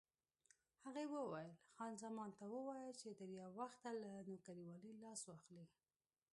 هغې وویل: خان زمان ته ووایه چې تر یو وخته له نوکرېوالۍ لاس واخلي.